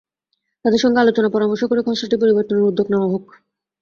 তাঁদের সঙ্গে আলোচনা পরামর্শ করে খসড়াটি পরিবর্তনের উদ্যোগ নেওয়া হোক।